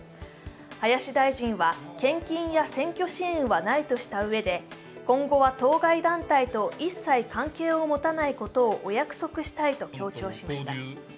林大臣は、献金や選挙支援はないとしたうえで、今後は当該団体と一切関係を持たないことをお約束したいと強調しました。